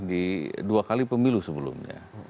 di dua kali pemilu sebelumnya